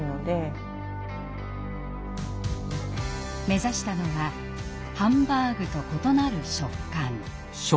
目指したのはハンバーグと異なる食感。